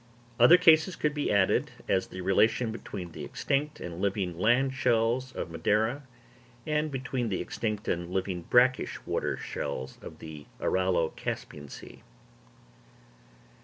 Other cases could be added, as the relation between the extinct and living land shells of Madeira; and between the extinct and living brackish water shells of the Aralo Caspian Sea.